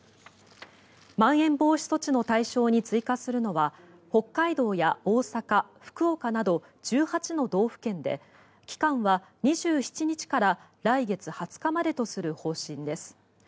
まん延防止措置の対象に追加するのは北海道や大阪、福岡など１８の道府県で期間は２７日から来月２０日までとする方針です。